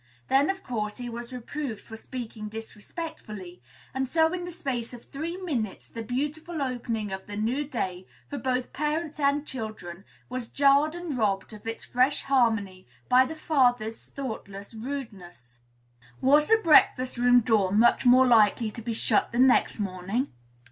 Then, of course, he was reproved for speaking disrespectfully; and so in the space of three minutes the beautiful opening of the new day, for both parents and children, was jarred and robbed of its fresh harmony by the father's thoughtless rudeness. Was the breakfast room door much more likely to be shut the next morning?